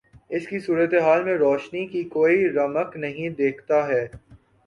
اس کی صورت حال میں روشنی کی کوئی رمق نہیں دیکھتا ہے۔